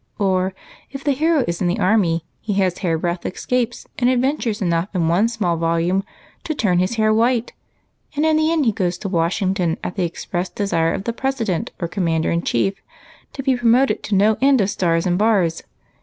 ' Or, if the hero is in the army, he has hair breadth escapes and adventures enough in one small volume to turn his hair white, and in the end he goes to Washington at the express desire of the President or. Commander in Chief to be promoted to no end of stars and bars.